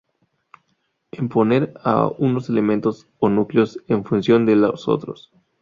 En poner a unos elementos o núcleos en función de los otros.